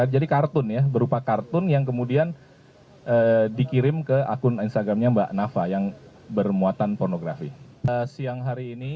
jadi kartun ya berupa kartun yang kemudian dikirim ke akun instagramnya mbak nafa yang bermuatan pornografi